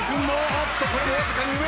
あっとこれもわずかに上。